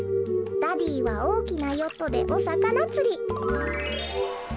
ダディーはおおきなヨットでおさかなつり」。